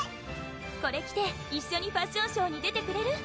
これ着て一緒にファッションショーに出てくれる？